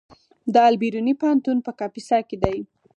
د البیروني پوهنتون په کاپیسا کې دی